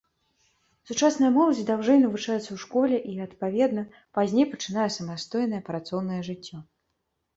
Сучасная моладзь даўжэй навучаецца ў школе і, адпаведна, пазней пачынае самастойнае працоўнае жыццё.